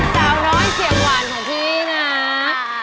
สาวน้อยเสียงหวานของพี่นะ